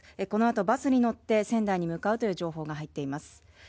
この後バスに乗って仙台へ向かう情報が入っています。